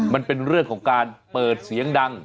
มันเป็นเรื่องของการเปิดเสียงดัง